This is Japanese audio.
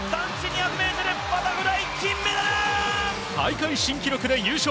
大会新記録で優勝。